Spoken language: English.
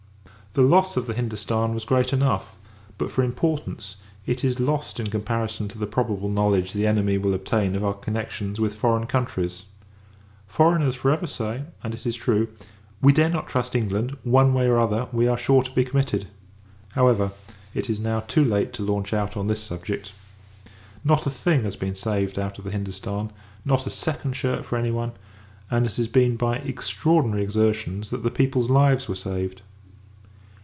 The loss of the Hindostan, was great enough; but, for importance, it is lost, in comparison to the probable knowledge the enemy will obtain of our connections with foreign countries! Foreigners for ever say and it is true "We dare not trust England; one way, or other, we are sure to be committed!" However, it is now too late to launch out on this subject. Not a thing has been saved out of the Hindostan, not a second shirt for any one; and it has been by extraordinary exertions, that the people's lives were saved.